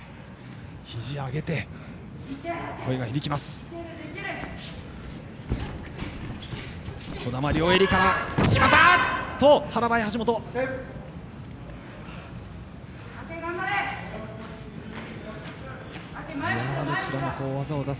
ひじを上げてという声が響きます。